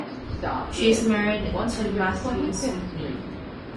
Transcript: She is married to Mathieu Sweeney.